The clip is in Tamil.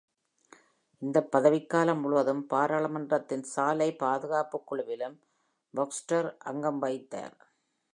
இந்த பதவிக்காலம் முழுவதும் பாராளுமன்றத்தின் சாலை பாதுகாப்பு குழுவிலும் Baxter அங்கம் வகித்தார்.